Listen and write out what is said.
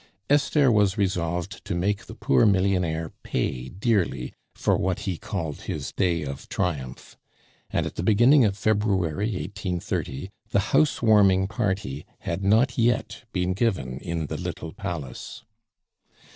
Esther was resolved to make the poor millionaire pay dearly for what he called his day of triumph. And at the beginning of February 1830 the house warming party had not yet been given in the "little palace."